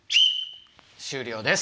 終了です！